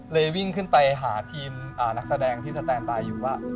วิ่งขึ้นไปหาทีมนักแสดงที่สแตนบายอยู่ว่า